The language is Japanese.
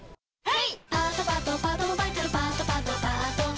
はい。